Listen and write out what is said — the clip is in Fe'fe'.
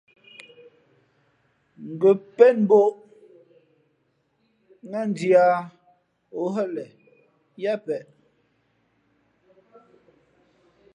Ngα̌ pén mbᾱʼ ó nά ndhī ā ǒ hά le yáá peʼ.